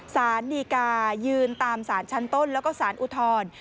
สารดีกายืนตามสารชั้นต้นแล้วก็สารอุทธร